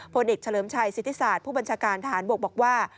ผลเอกเฉลิมชัยสิทธิศาสตร์ผู้บัญชาการทหารบกบอกว่า